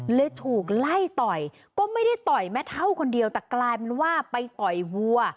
เลยถูกไล่ต่อยก็ไม่ได้ต่อยแม่เท่าคนเดียวแต่กลายเป็นว่าไปต่อยวัว